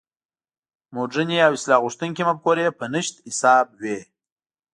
مډرنې او اصلاح غوښتونکې مفکورې په نشت حساب وې.